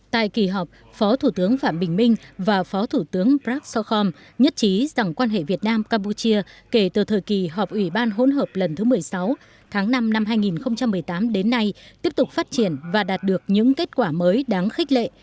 tại kỳ họp phó thủ tướng phạm bình minh và phó thủ tướng prasokham nhất trí rằng quan hệ việt nam campuchia kể từ thời kỳ họp ủy ban hỗn hợp lần thứ một mươi sáu tháng năm năm hai nghìn một mươi tám đến nay tiếp tục phát triển và đạt được những kết quả mới đáng khích lệ